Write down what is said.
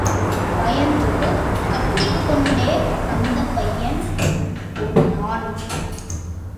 பயந்து கத்திக் கொண்டே, அந்தப் பையன் ஓடினான்.